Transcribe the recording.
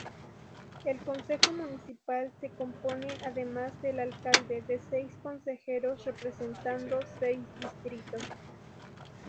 El consejo municipal se compone, además del alcalde, de seis consejeros representando seis distritos.